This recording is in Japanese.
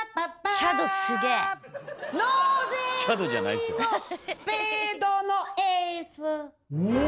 チャドじゃないですよ。